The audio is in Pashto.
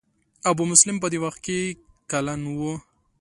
ابو مسلم په دې وخت کې کلن و.